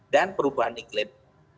dan perubahan iklim